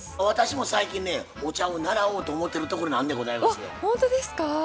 私も最近ねお茶を習おうと思ってるところなんでございますよ。